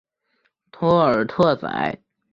托尔特宰。